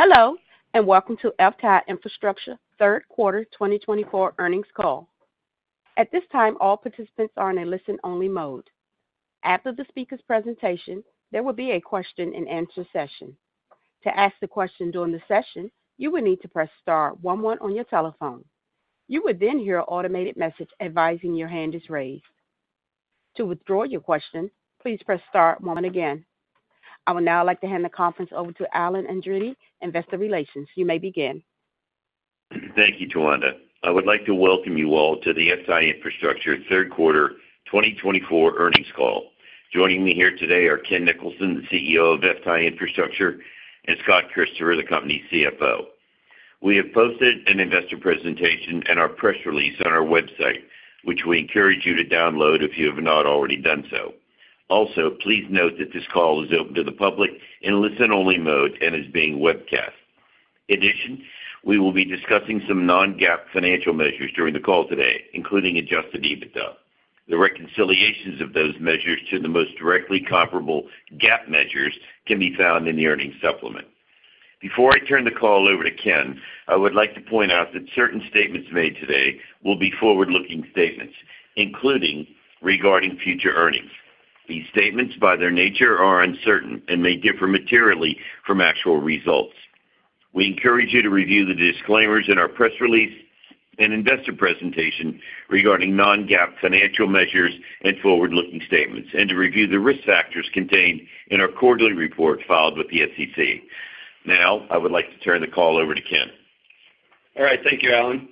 Hello, and welcome to FTAI Infrastructure Q3 2024 Earnings Call. At this time, all participants are in a listen-only mode. After the speaker's presentation, there will be a question-and-answer session. To ask a question during the session, you will need to press star one one on your telephone. You will then hear an automated message advising your hand is raised. To withdraw your question, please press star one one again. I would now like to hand the conference over to Alan Andreini, Investor Relations. You may begin. Thank you, Joanda. I would like to welcome you all to the FTAI Infrastructure Q3 2024 earnings call. Joining me here today are Ken Nicholson, the CEO of FTAI Infrastructure, and Scott Christopher, the company CFO. We have posted an investor presentation and our press release on our website, which we encourage you to download if you have not already done so. Also, please note that this call is open to the public in a listen-only mode and is being webcast. In addition, we will be discussing some non-GAAP financial measures during the call today, including adjusted EBITDA. The reconciliations of those measures to the most directly comparable GAAP measures can be found in the earnings supplement. Before I turn the call over to Ken, I would like to point out that certain statements made today will be forward-looking statements, including regarding future earnings. These statements, by their nature, are uncertain and may differ materially from actual results. We encourage you to review the disclaimers in our press release and investor presentation regarding non-GAAP financial measures and forward-looking statements, and to review the risk factors contained in our quarterly report filed with the SEC. Now, I would like to turn the call over to Ken. All right. Thank you, Alan.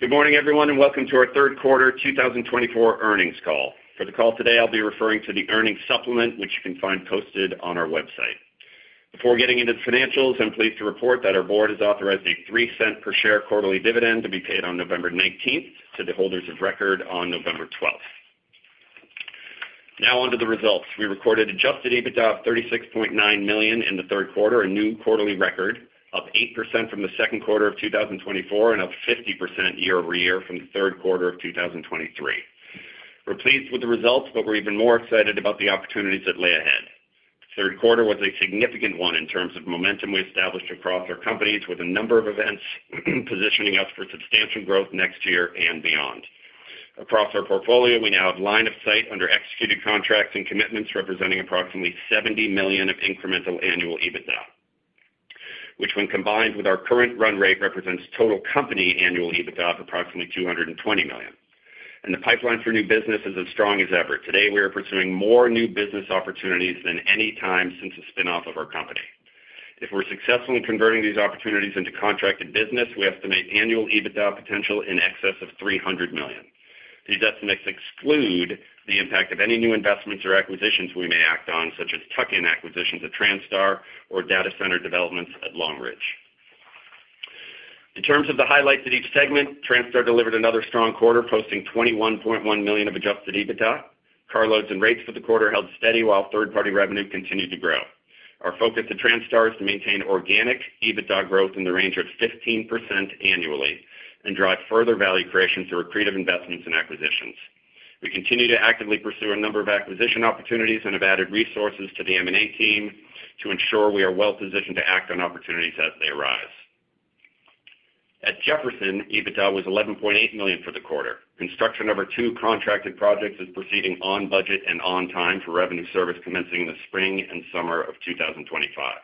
Good morning, everyone, and welcome to our Q3 2024 earnings call. For the call today, I'll be referring to the earnings supplement, which you can find posted on our website. Before getting into the financials, I'm pleased to report that our board has authorized a $0.03 per share quarterly dividend to be paid on November 19th to the holders of record on November 12th. Now, on to the results. We recorded Adjusted EBITDA of $36.9 million in the Q3, a new quarterly record of 8% from the Q2 of 2024 and of 50% year over year from the Q3 of 2023. We're pleased with the results, but we're even more excited about the opportunities that lie ahead. The Q3 was a significant one in terms of momentum we established across our companies, with a number of events positioning us for substantial growth next year and beyond. Across our portfolio, we now have line of sight under executed contracts and commitments representing approximately $70 million of incremental annual EBITDA, which, when combined with our current run rate, represents total company annual EBITDA of approximately $220 million. And the pipeline for new business is as strong as ever. Today, we are pursuing more new business opportunities than any time since the spinoff of our company. If we're successful in converting these opportunities into contracted business, we estimate annual EBITDA potential in excess of $300 million. These estimates exclude the impact of any new investments or acquisitions we may act on, such as tuck-in acquisitions at Transstar or data center developments at Long Ridge. In terms of the highlights at each segment, Transstar delivered another strong quarter, posting $21.1 million of adjusted EBITDA. Carloads and rates for the quarter held steady while third-party revenue continued to grow. Our focus at Transstar is to maintain organic EBITDA growth in the range of 15% annually and drive further value creation through accretive investments and acquisitions. We continue to actively pursue a number of acquisition opportunities and have added resources to the M&A team to ensure we are well positioned to act on opportunities as they arise. At Jefferson, EBITDA was $11.8 million for the quarter. Construction of our two contracted projects is proceeding on budget and on time for revenue service commencing in the spring and summer of 2025.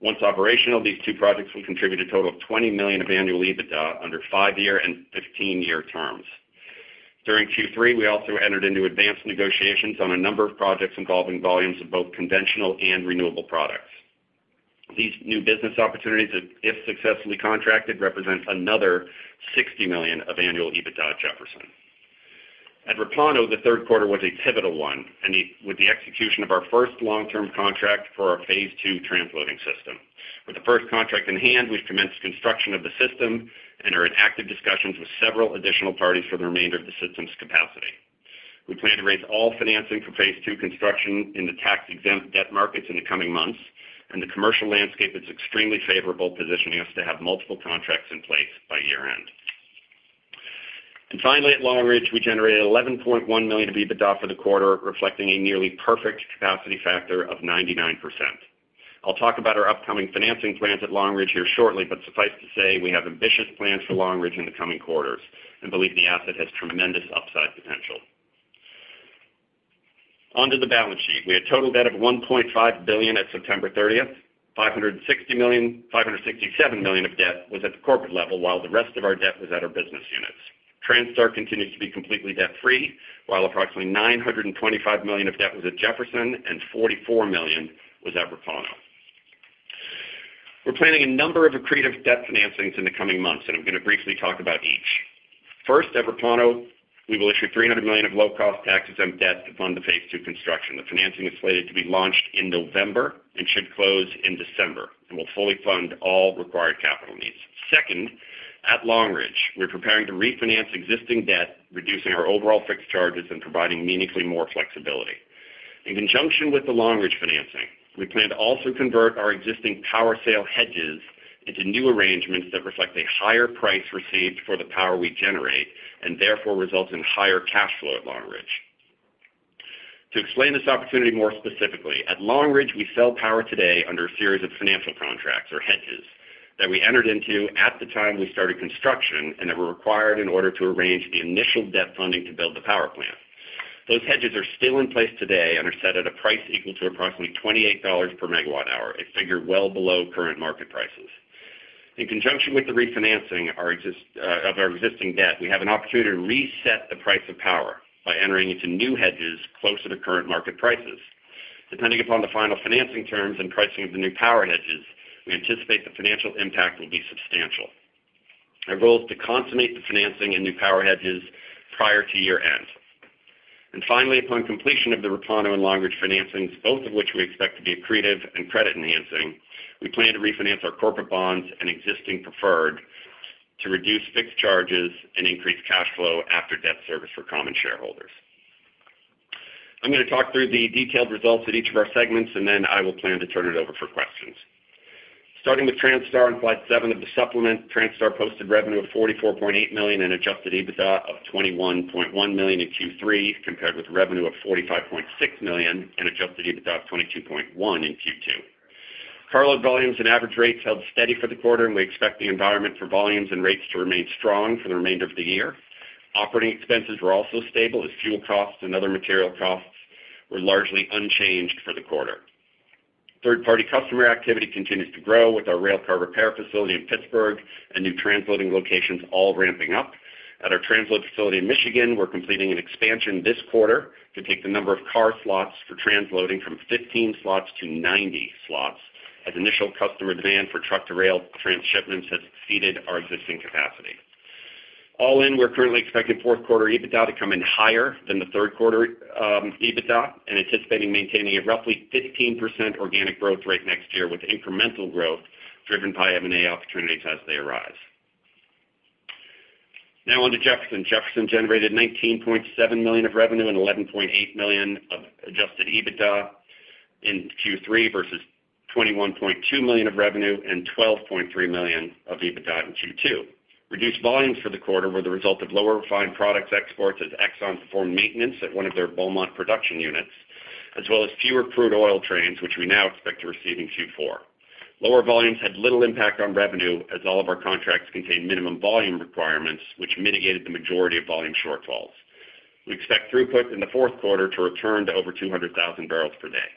Once operational, these two projects will contribute a total of $20 million of annual EBITDA under five-year and 15-year terms. During Q3, we also entered into advanced negotiations on a number of projects involving volumes of both conventional and renewable products. These new business opportunities, if successfully contracted, represent another $60 million of annual EBITDA at Jefferson. At Repauno, the Q3 was a pivotal one with the execution of our first long-term contract for our phase two transloading system. With the first contract in hand, we've commenced construction of the system and are in active discussions with several additional parties for the remainder of the system's capacity. We plan to raise all financing for phase two construction in the tax-exempt debt markets in the coming months, and the commercial landscape is extremely favorable, positioning us to have multiple contracts in place by year-end. And finally, at Long Ridge, we generated $11.1 million of EBITDA for the quarter, reflecting a nearly perfect capacity factor of 99%. I'll talk about our upcoming financing plans at Long Ridge here shortly, but suffice to say we have ambitious plans for Long Ridge in the coming quarters and believe the asset has tremendous upside potential. On to the balance sheet. We had total debt of $1.5 billion at September 30th. $567 million of debt was at the corporate level, while the rest of our debt was at our business units. TransStar continues to be completely debt-free, while approximately $925 million of debt was at Jefferson and $44 million was at Repauno. We're planning a number of accretive debt financings in the coming months, and I'm going to briefly talk about each. First, at Repauno, we will issue $300 million of low-cost tax-exempt debt to fund the phase two construction. The financing is slated to be launched in November and should close in December, and we'll fully fund all required capital needs. Second, at Long Ridge, we're preparing to refinance existing debt, reducing our overall fixed charges and providing meaningfully more flexibility. In conjunction with the Long Ridge financing, we plan to also convert our existing power sale hedges into new arrangements that reflect a higher price received for the power we generate and therefore results in higher cash flow at Long Ridge. To explain this opportunity more specifically, at Long Ridge, we sell power today under a series of financial contracts or hedges that we entered into at the time we started construction and that were required in order to arrange the initial debt funding to build the power plant. Those hedges are still in place today and are set at a price equal to approximately $28 per megawatt hour, a figure well below current market prices. In conjunction with the refinancing of our existing debt, we have an opportunity to reset the price of power by entering into new hedges closer to current market prices. Depending upon the final financing terms and pricing of the new power hedges, we anticipate the financial impact will be substantial. Our goal is to consummate the financing and new power hedges prior to year-end. And finally, upon completion of the Repauno and Long Ridge financings, both of which we expect to be accretive and credit-enhancing, we plan to refinance our corporate bonds and existing preferred to reduce fixed charges and increase cash flow after debt service for common shareholders. I'm going to talk through the detailed results at each of our segments, and then I will plan to turn it over for questions. Starting with Transstar in slide seven of the supplement, Transstar posted revenue of $44.8 million and Adjusted EBITDA of $21.1 million in Q3, compared with revenue of $45.6 million and Adjusted EBITDA of $22.1 million in Q2. Carload volumes and average rates held steady for the quarter, and we expect the environment for volumes and rates to remain strong for the remainder of the year. Operating expenses were also stable, as fuel costs and other material costs were largely unchanged for the quarter. Third-party customer activity continues to grow with our railcar repair facility in Pittsburgh and new transloading locations all ramping up. At our transload facility in Michigan, we're completing an expansion this quarter to take the number of car slots for transloading from 15 slots to 90 slots, as initial customer demand for truck-to-rail transshipments has exceeded our existing capacity. All in, we're currently expecting Q4 EBITDA to come in higher than the Q3 EBITDA and anticipating maintaining a roughly 15% organic growth rate next year, with incremental growth driven by M&A opportunities as they arise. Now, on to Jefferson. Jefferson generated $19.7 million of revenue and $11.8 million of adjusted EBITDA in Q3 versus $21.2 million of revenue and $12.3 million of EBITDA in Q2. Reduced volumes for the quarter were the result of lower refined products exports as Exxon performed maintenance at one of their Beaumont production units, as well as fewer crude oil trains, which we now expect to receive in Q4. Lower volumes had little impact on revenue, as all of our contracts contained minimum volume requirements, which mitigated the majority of volume shortfalls. We expect throughput in the Q4 to return to over 200,000 barrels per day.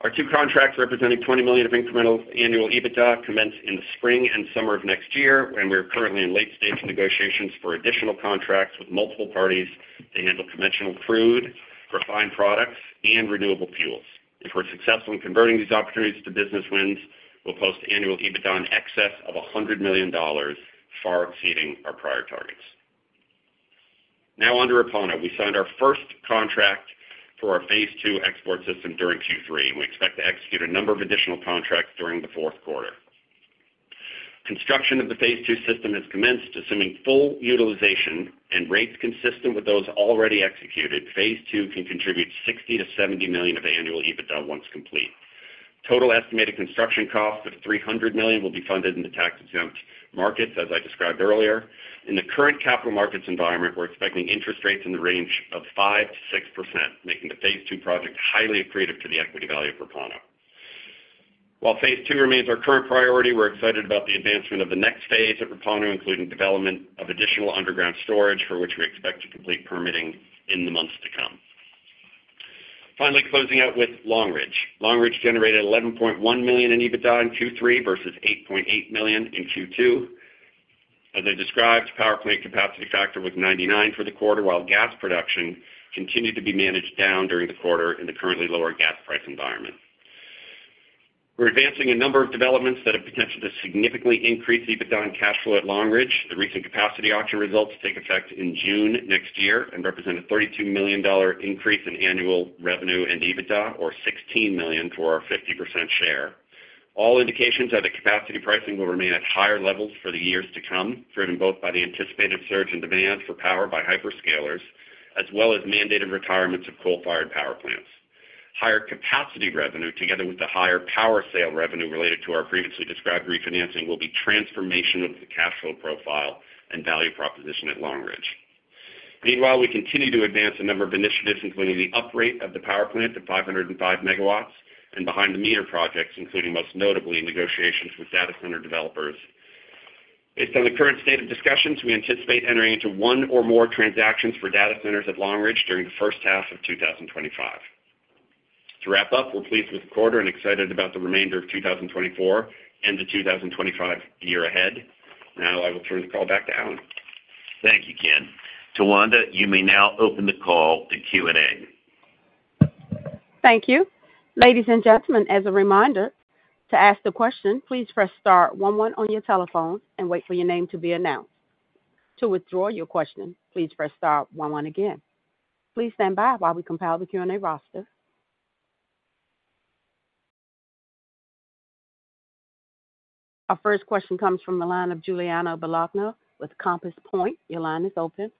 Our two contracts representing $20 million of incremental annual EBITDA commenced in the spring and summer of next year, and we are currently in late-stage negotiations for additional contracts with multiple parties to handle conventional crude, refined products, and renewable fuels. If we're successful in converting these opportunities to business wins, we'll post annual EBITDA in excess of $100 million, far exceeding our prior targets. Now, on to Repauno. We signed our first contract for our phase two export system during Q3, and we expect to execute a number of additional contracts during the fourth quarter. Construction of the phase two system has commenced. Assuming full utilization and rates consistent with those already executed, phase two can contribute $60-$70 million of annual EBITDA once complete. Total estimated construction costs of $300 million will be funded in the tax-exempt markets, as I described earlier. In the current capital markets environment, we're expecting interest rates in the range of 5%-6%, making the phase two project highly accretive to the equity value of Repauno. While phase two remains our current priority, we're excited about the advancement of the next phase at Repauno, including development of additional underground storage, for which we expect to complete permitting in the months to come. Finally, closing out with Long Ridge. Long Ridge generated $11.1 million in EBITDA in Q3 versus $8.8 million in Q2. As I described, power plant capacity factor was 99% for the quarter, while gas production continued to be managed down during the quarter in the currently lower gas price environment. We're advancing a number of developments that have potential to significantly increase EBITDA and cash flow at Long Ridge. The recent capacity auction results take effect in June next year and represent a $32 million increase in annual revenue and EBITDA, or $16 million for our 50% share. All indications are that capacity pricing will remain at higher levels for the years to come, driven both by the anticipated surge in demand for power by hyperscalers, as well as mandated retirements of coal-fired power plants. Higher capacity revenue, together with the higher power sale revenue related to our previously described refinancing, will be transformational to the cash flow profile and value proposition at Long Ridge. Meanwhile, we continue to advance a number of initiatives, including the uprate of the power plant to 505 megawatts and behind-the-meter projects, including most notably negotiations with data center developers. Based on the current state of discussions, we anticipate entering into one or more transactions for data centers at Long Ridge during the H1 of 2025. To wrap up, we're pleased with the quarter and excited about the remainder of 2024 and the 2025 year ahead. Now, I will turn the call back to Alan. Thank you, Ken. Tawanda, you may now open the call to Q&A. Thank you. Ladies and gentlemen, as a reminder, to ask a question, please press star one one on your telephone and wait for your name to be announced. To withdraw your question, please press star one one again. Please stand by while we compile the Q&A roster. Our first question comes from Giuliano Bologna with Compass Point. Your line is open.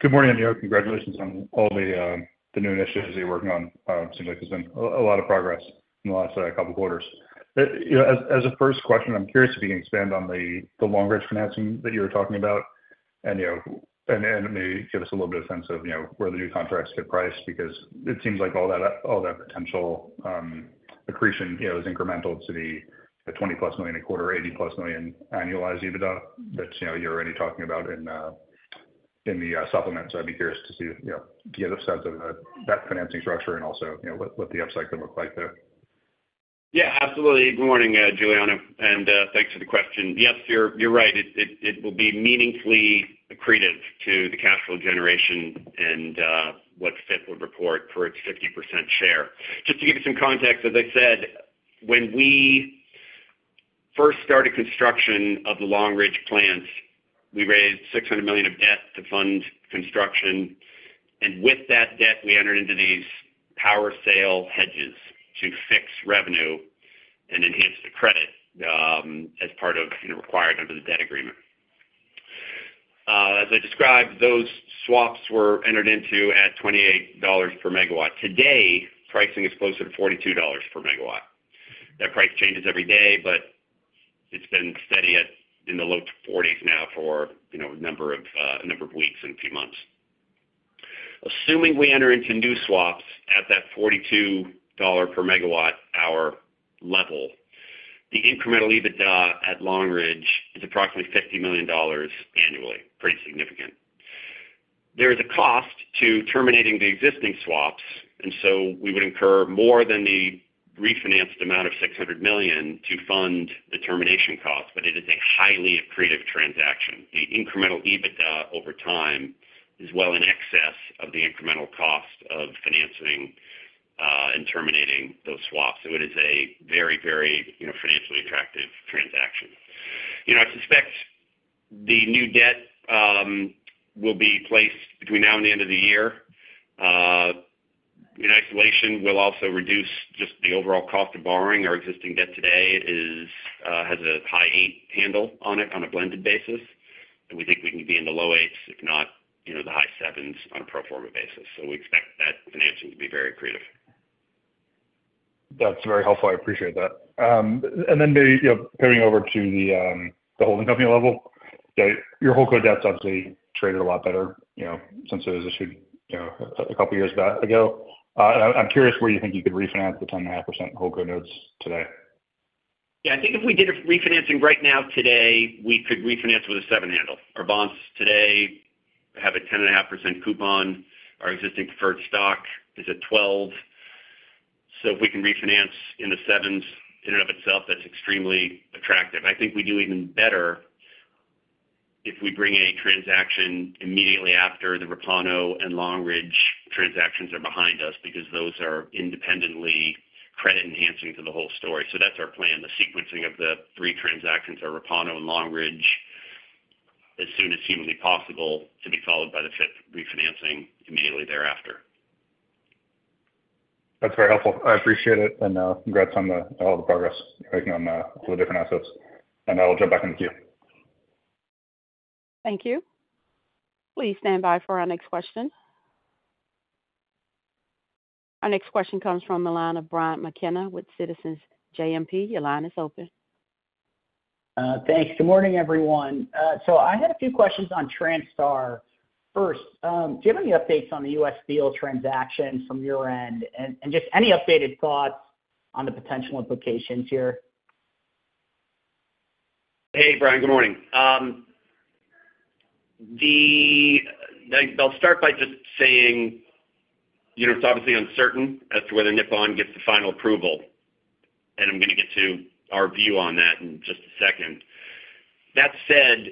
Good morning, and congratulations on all the new initiatives that you're working on. It seems like there's been a lot of progress in the last couple of quarters. As a first question, I'm curious if you can expand on the Long Ridge financing that you were talking about and maybe give us a little bit of a sense of where the new contracts get priced, because it seems like all that potential accretion is incremental to the $20-plus million a quarter or $80-plus million annualized EBITDA that you're already talking about in the supplement. So I'd be curious to get a sense of that financing structure and also what the upside could look like there. Yeah, absolutely. Good morning, Giuliano, and thanks for the question. Yes, you're right. It will be meaningfully accretive to the cash flow generation and what FTAI would report for its 50% share. Just to give you some context, as I said, when we first started construction of the Long Ridge plants, we raised $600 million of debt to fund construction. And with that debt, we entered into these power sale hedges to fix revenue and enhance the credit as part of required under the debt agreement. As I described, those swaps were entered into at $28 per megawatt. Today, pricing is closer to $42 per megawatt. That price changes every day, but it's been steady in the low 40s now for a number of weeks and a few months. Assuming we enter into new swaps at that $42 per megawatt hour level, the incremental EBITDA at Long Ridge is approximately $50 million annually. Pretty significant. There is a cost to terminating the existing swaps, and so we would incur more than the refinanced amount of $600 million to fund the termination cost, but it is a highly accretive transaction. The incremental EBITDA over time is well in excess of the incremental cost of financing and terminating those swaps. So it is a very, very financially attractive transaction. I suspect the new debt will be placed between now and the end of the year. In isolation, we'll also reduce just the overall cost of borrowing. Our existing debt today has a high eight handle on it on a blended basis, and we think we can be in the low eights, if not the high sevens on a pro forma basis. We expect that financing to be very accretive. That's very helpful. I appreciate that. And then maybe pivoting over to the holding company level, your holdco debt's obviously traded a lot better since it was issued a couple of years back ago. I'm curious where you think you could refinance the 10.5% holdco notes today? Yeah, I think if we did refinancing right now today, we could refinance with a seven handle. Our bonds today have a 10.5% coupon. Our existing preferred stock is at 12%. So if we can refinance in the sevens in and of itself, that's extremely attractive. I think we do even better if we bring a transaction immediately after the Repauno and Long Ridge transactions are behind us, because those are independently credit-enhancing to the whole story. So that's our plan, the sequencing of the three transactions, our Repauno and Long Ridge, as soon as humanly possible to be followed by the FTAI refinancing immediately thereafter. That's very helpful. I appreciate it, and congrats on all the progress you're making on a couple of different assets, and I'll jump back into Q. Thank you. Please stand by for our next question. Our next question comes from Brian McKenna with Citizens JMP. Your line is open. Thanks. Good morning, everyone. So I had a few questions on Transstar. First, do you have any updates on the U.S. deal transaction from your end and just any updated thoughts on the potential implications here? Hey, Brian. Good morning. I'll start by just saying it's obviously uncertain as to whether Nippon gets the final approval, and I'm going to get to our view on that in just a second. That said,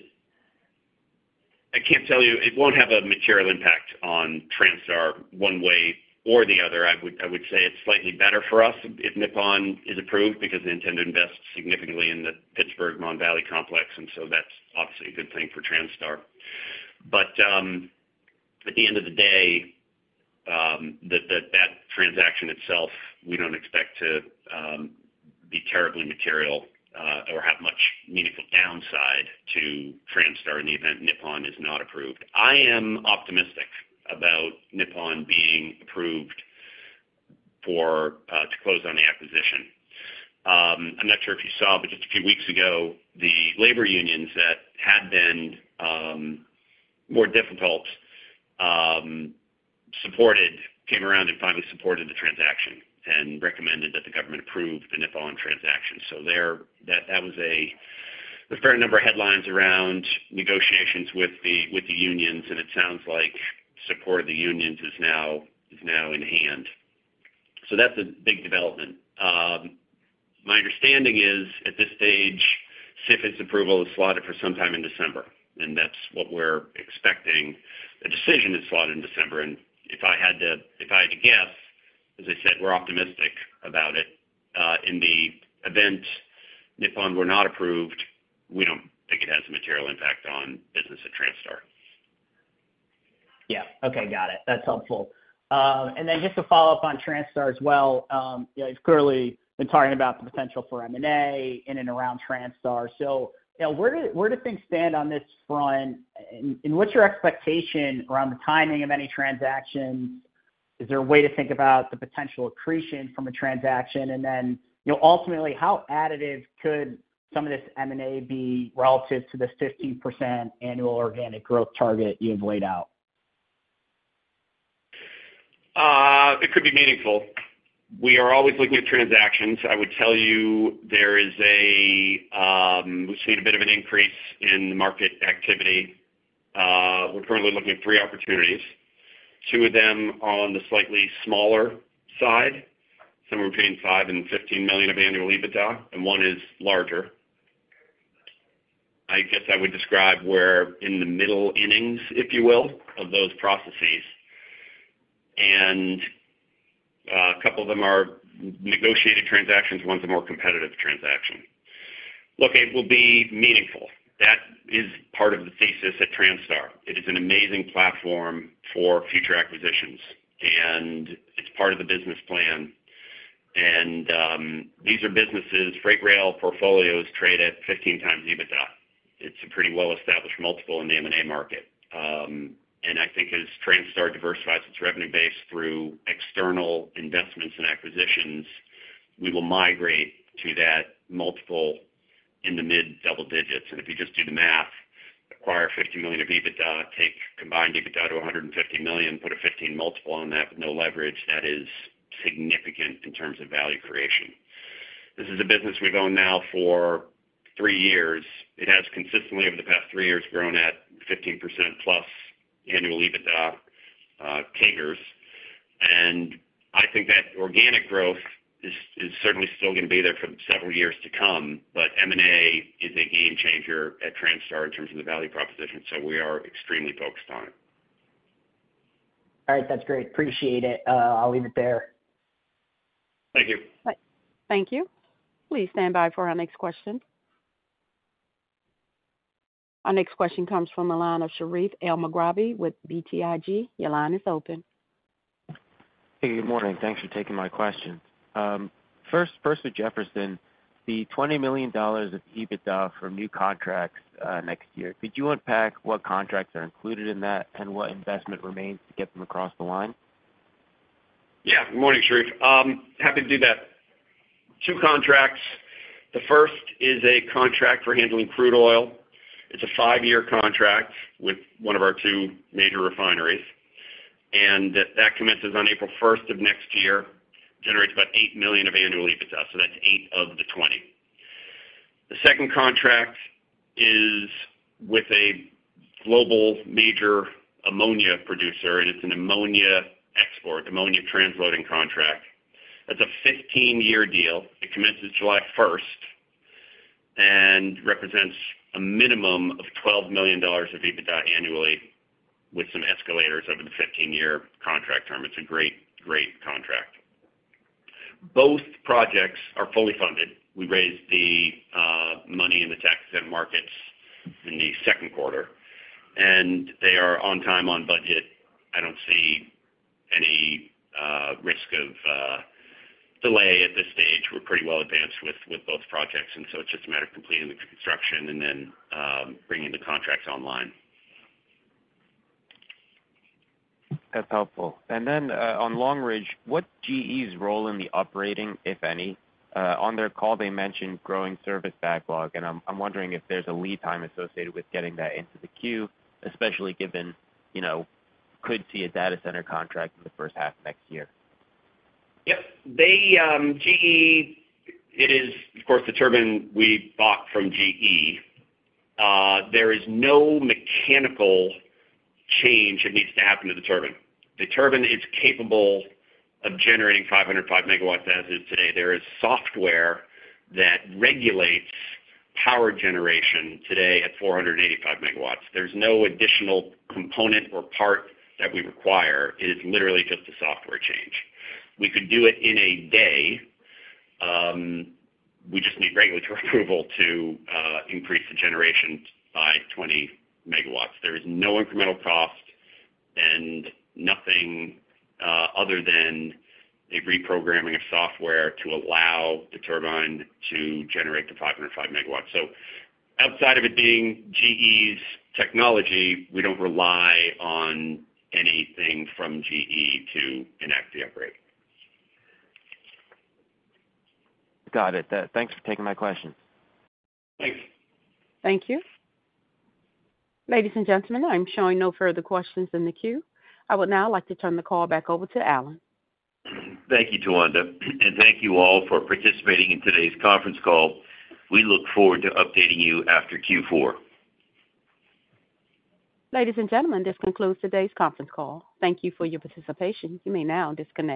I can't tell you it won't have a material impact on Transstar one way or the other. I would say it's slightly better for us if Nippon is approved because they intend to invest significantly in the Pittsburgh-Mon Valley complex, and so that's obviously a good thing for Transstar. But at the end of the day, that transaction itself, we don't expect to be terribly material or have much meaningful downside to Transstar in the event Nippon is not approved. I am optimistic about Nippon being approved to close on the acquisition. I'm not sure if you saw, but just a few weeks ago, the labor unions that had been more difficult came around and finally supported the transaction and recommended that the government approve the Nippon transaction. So there was a fair number of headlines around negotiations with the unions, and it sounds like support of the unions is now in hand. So that's a big development. My understanding is, at this stage, CFIUS's approval is slotted for sometime in December, and that's what we're expecting. The decision is slotted in December. And if I had to guess, as I said, we're optimistic about it. In the event Nippon were not approved, we don't think it has a material impact on business at Transstar. Yeah. Okay. Got it. That's helpful. And then just to follow up on Transstar as well, you've clearly been talking about the potential for M&A in and around Transstar. So where do things stand on this front? And what's your expectation around the timing of any transactions? Is there a way to think about the potential accretion from a transaction? And then ultimately, how additive could some of this M&A be relative to the 15% annual organic growth target you have laid out? It could be meaningful. We are always looking at transactions. I would tell you we've seen a bit of an increase in market activity. We're currently looking at three opportunities. Two of them are on the slightly smaller side. Some are between five and 15 million of annual EBITDA, and one is larger. I guess I would describe we're in the middle innings, if you will, of those processes. A couple of them are negotiated transactions. One's a more competitive transaction. Look, it will be meaningful. That is part of the thesis at Transstar. It is an amazing platform for future acquisitions, and it's part of the business plan. These are businesses freight rail portfolios trade at 15 times EBITDA. It's a pretty well-established multiple in the M&A market. I think as Transstar diversifies its revenue base through external investments and acquisitions, we will migrate to that multiple in the mid double digits. And if you just do the math, acquire 50 million of EBITDA, take combined EBITDA to 150 million, put a 15 multiple on that with no leverage, that is significant in terms of value creation. This is a business we've owned now for three years. It has consistently over the past three years grown at 15% plus annual EBITDA CAGRs. And I think that organic growth is certainly still going to be there for several years to come, but M&A is a game changer at Transstar in terms of the value proposition. So we are extremely focused on it. All right. That's great. Appreciate it. I'll leave it there. Thank you. Thank you. Please stand by for our next question. Our next question comes from Sherif Elmaghrabi with BTIG. Your line is open. Hey, good morning. Thanks for taking my question. First, with Jefferson. The $20 million of EBITDA from new contracts next year, could you unpack what contracts are included in that and what investment remains to get them across the line? Yeah. Good morning, Sherif. Happy to do that. Two contracts. The first is a contract for handling crude oil. It's a 5-year contract with one of our two major refineries. And that commences on April 1st of next year, generates about $8 million of annual EBITDA. So that's 8 of the 20. The second contract is with a global major ammonia producer, and it's an ammonia export, ammonia transloading contract. That's a 15-year deal. It commences July 1st and represents a minimum of $12 million of EBITDA annually with some escalators over the 15-year contract term. It's a great, great contract. Both projects are fully funded. We raised the money in the tax-exempt markets in the Q2, and they are on time, on budget. I don't see any risk of delay at this stage. We're pretty well advanced with both projects, and so it's just a matter of completing the construction and then bringing the contracts online. That's helpful. And then on Long Ridge, what's GE's role in the operating, if any? On their call, they mentioned growing service backlog, and I'm wondering if there's a lead time associated with getting that into the queue, especially given could see a data center contract in the H1 of next year. Yep. GE is, of course, the turbine we bought from GE. There is no mechanical change that needs to happen to the turbine. The turbine is capable of generating 505 megawatts as it is today. There is software that regulates power generation today at 485 megawatts. There's no additional component or part that we require. It is literally just a software change. We could do it in a day. We just need regulatory approval to increase the generation by 20 megawatts. There is no incremental cost and nothing other than a reprogramming of software to allow the turbine to generate the 505 megawatts. So outside of it being GE's technology, we don't rely on anything from GE to enact the upgrade. Got it. Thanks for taking my question. Thanks. Thank you. Ladies and gentlemen, I'm showing no further questions in the queue. I would now like to turn the call back over to Alan. Thank you, Joanda. And thank you all for participating in today's conference call. We look forward to updating you after Q4. Ladies and gentlemen, this concludes today's conference call. Thank you for your participation. You may now disconnect.